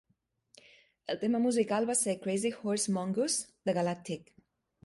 El tema musical va ser "Crazyhorse Mongoose" de Galactic.